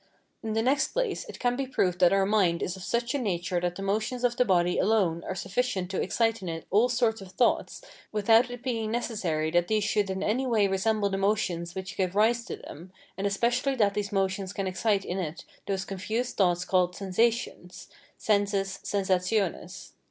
In the next place, it can be proved that our mind is of such a nature that the motions of the body alone are sufficient to excite in it all sorts of thoughts, without it being necessary that these should in any way resemble the motions which give rise to them, and especially that these motions can excite in it those confused thoughts called sensations (SENSUS, SENSATIONES).